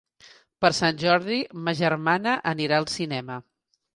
Per Sant Jordi ma germana anirà al cinema.